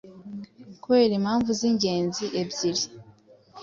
kubera impamvu z'ingenzi ebyiri: •